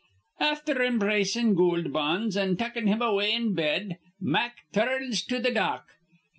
"Afther embracin' Goold Bonds an' tuckin' him away in bed, Mack tur rns to th' Dock.